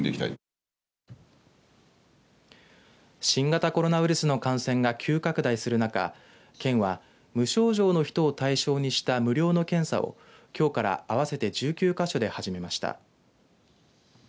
新型コロナウイルスの感染が急拡大する中県は、無症状の人を対象にした無料の検査を、きょうから合わせて１９か所で始めました。